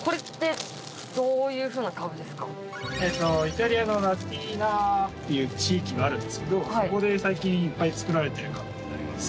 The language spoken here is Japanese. イタリアのラティーナっていう地域があるんですけどそこで最近いっぱい作られてるカブになります。